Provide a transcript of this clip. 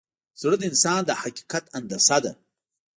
زړه د انسان د حقیقت هندسه ده.